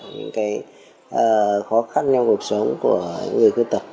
những khó khăn trong cuộc sống của những người khuyết tật